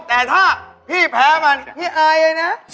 แต่ถ้าพี่แพ้ว่านี่ไอไอเลยนะ